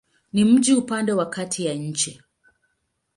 Ni mji upande wa kati ya nchi.